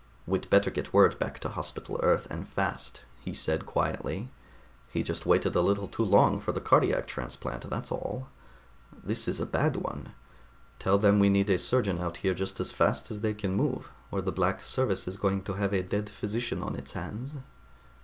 "We'd better get word back to Hospital Earth, and fast," he said quietly. "He just waited a little too long for that cardiac transplant, that's all. This is a bad one. Tell them we need a surgeon out here just as fast as they can move, or the Black Service is going to have a dead physician on its hands."